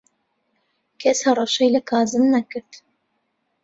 کەس هەڕەشەی لە کازم نەکرد.